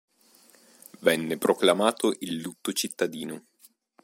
Venne proclamato il lutto cittadino.